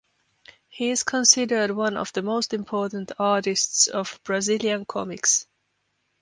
He is considered one of the most important artists of Brazilian comics.